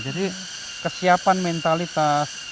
jadi kesiapan mentalitas